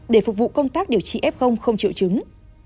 để phục vụ công tác điều trị f không triệu chứng